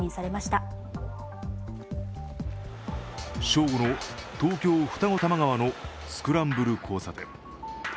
正午の東京・二子玉川のスクランブル交差点。